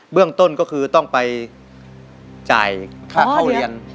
เรื่องต้นก็คือต้องไปจ่ายค่าเข้าเรียน